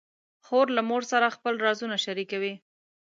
خور له مور سره خپل رازونه شریکوي.